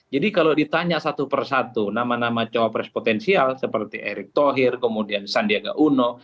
jadi kalau ditanya satu persatu nama nama cawapres potensial seperti erick thohir kemudian sandiaga uno